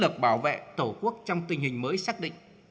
lực bảo vệ tổ quốc trong tình hình mới xác định